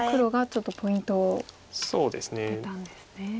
ちょっとポイントを挙げたんですね。